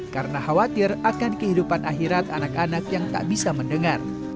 karena khawatir akan kehidupan akhirat anak anak yang tak bisa mendengar